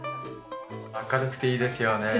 明るくていいですよね。